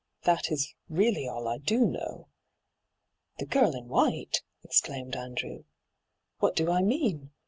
That is really aU I do know.' ' The girl in white I' exclaimed Andrew. * What do I mean